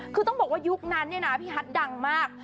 คือต้องบอกว่ายุคนั้นพี่ฮัดดังมาก